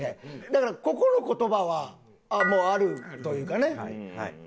だからここの言葉はもうあるというかねもう名曲。